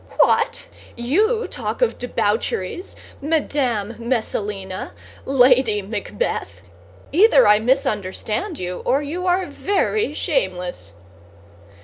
"What, you talk of debaucheries, Madame Messalina, Lady Macbeth! Either I misunderstand you or you are very shameless!"